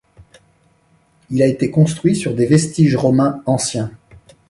Il a été construit sur des vestiges romains anciens.